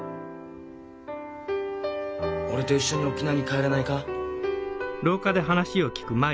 俺と一緒に沖縄に帰らないか？